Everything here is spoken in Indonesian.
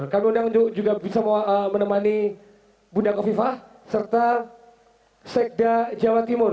kami undang juga bisa menemani bunda kofifah serta sekda jawa timur